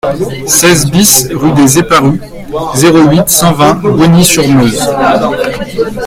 seize BIS rue des Eparus, zéro huit, cent vingt, Bogny-sur-Meuse